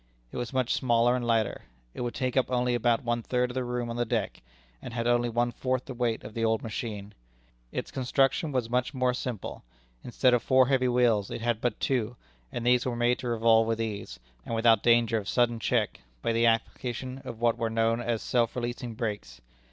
It was much smaller and lighter. It would take up only about one third of the room on the deck, and had only one fourth the weight of the old machine. Its construction was much more simple. Instead of four heavy wheels, it had but two, and these were made to revolve with ease, and without danger of sudden check, by the application of what were known as self releasing brakes.